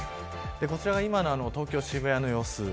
こちらが東京・渋谷の様子。